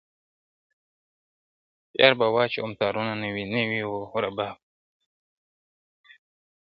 یار به واچوم تارونه نوي نوي و رباب ته-